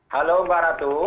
halo mbak ratu